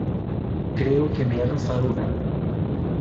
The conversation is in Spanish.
Creo que me ha rozado un alga.